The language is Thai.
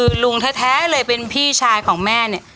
เป็นหลุงแท้เลยเป็นพี่ของแม่